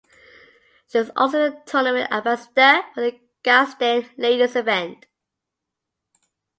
She is also the tournament ambassador for the Gastein Ladies event.